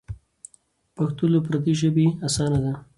پښتو له پردۍ ژبې اسانه ده.